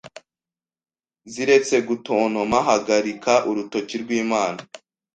ziretse gutontoma Hagarika urutoki rwImana